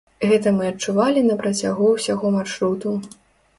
Гэта мы адчувалі на працягу ўсяго маршруту.